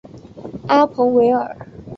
阿彭维尔。